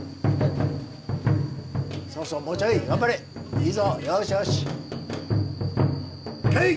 そうそうもうちょい。